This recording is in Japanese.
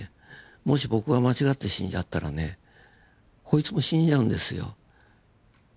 もし僕が間違って死んじゃったらねこいつも死んじゃうんですよ。